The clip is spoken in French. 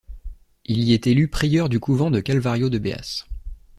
Il y est élu prieur du couvent de Calvario de Beas.